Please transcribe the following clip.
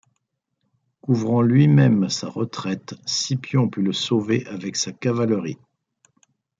Couvrant lui-même sa retraite, Scipion put le sauver avec sa cavalerie.